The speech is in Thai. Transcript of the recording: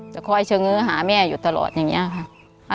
จะคอยเฉง้อหาแม่อยู่ตลอดอย่างนี้ค่ะ